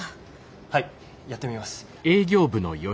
はいやってみます。